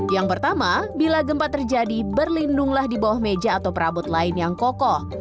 yang pertama bila gempa terjadi berlindunglah di bawah meja atau perabot lain yang kokoh